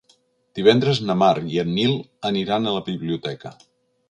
Divendres na Mar i en Nil aniran a la biblioteca.